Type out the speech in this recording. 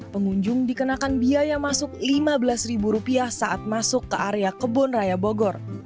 pengunjung dikenakan biaya masuk lima belas saat masuk ke area kebun raya bogor